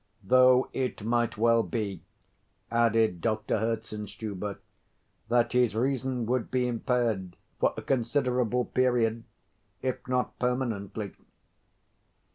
"Though it might well be," added Doctor Herzenstube, "that his reason would be impaired for a considerable period, if not permanently."